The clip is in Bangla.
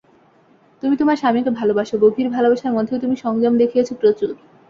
তুমি তোমার স্বামীকে ভালোবাসো, গভীর ভালোবাসার মধ্যেও তুমি সংযম দেখিয়েছ প্রচুর।